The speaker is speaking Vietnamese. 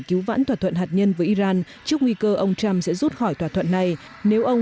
cứu vãn thỏa thuận hạt nhân với iran trước nguy cơ ông trump sẽ rút khỏi thỏa thuận này nếu ông